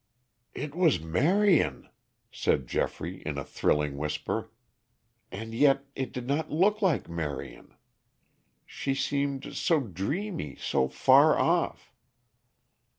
"It was Marion!" said Geoffrey in a thrilling whisper. "And yet it did not look like Marion. She seemed so dreamy; so far off."